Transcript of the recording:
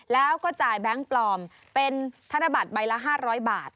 แล้วก็จ่ายแบงค์ปลอมเป็นธนบัตรใบละ๕๐๐บาท